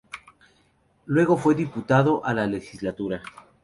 Luego fue diputado a la Legislatura.